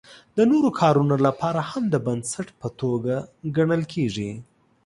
د نورو کارونو لپاره هم د بنسټ په توګه ګڼل کیږي.